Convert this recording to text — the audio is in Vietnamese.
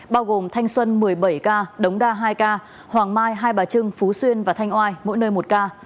bao gồm thanh xuân một mươi bảy ca đống đa hai ca hoàng mai hai bà trưng phú xuyên và thanh oai mỗi nơi một ca